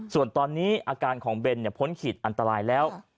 ส่วนตอนนี้อาการของเบนพ้นขีดอันตรายแล้ว